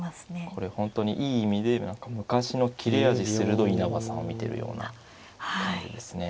これ本当にいい意味で昔の切れ味鋭い稲葉さんを見てるような感じですね。